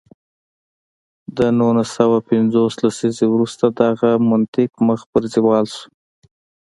له نولس سوه پنځوس لسیزې وروسته دغه منطق مخ په زوال شو.